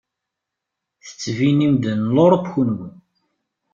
Tettbinem-d n Luṛup kunwi.